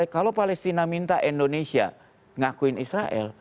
kalau palestina minta indonesia ngakuin israel